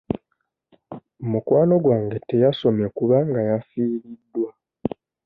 Mukwano gwange teyasomye kubanga yafiiriddwa.